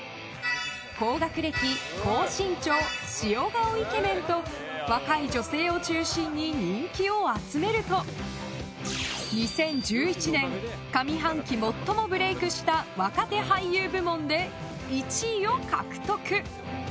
高学歴、高身長、塩顔イケメンと若い女性を中心に人気を集めると２０１１年上半期最もブレークした若手俳優部門で１位を獲得！